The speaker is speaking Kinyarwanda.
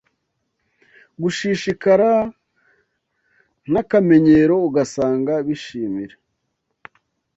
gushishikara n’akamenyero ugasanga bishimira